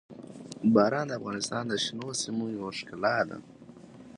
باران د افغانستان د شنو سیمو یوه ښکلا ده.